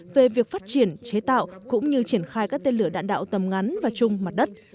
về việc phát triển chế tạo cũng như triển khai các tên lửa đạn đạo tầm ngắn và chung mặt đất